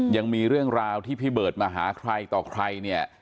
ยังมีเรื่องราวที่พี่เบิร์ตมาหาใครต่อใครเนี่ย